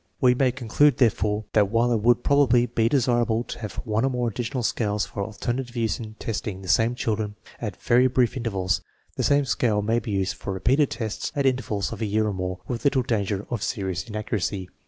1 We may conclude, therefore, that while it would proba bly be desirable to have one or more additional scales for alternative use in testing the same children at very brief intervals, the same scale may be used for repeated tests at intervals of a year or more with little danger of serious inaccuracy.